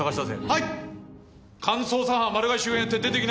はい！